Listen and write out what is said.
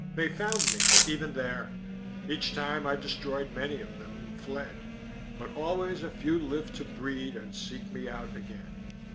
"They found me even there. Each time I destroyed many of them, and fled. But always a few lived to breed and seek me out again."